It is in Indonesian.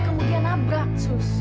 kemudian nabrak sus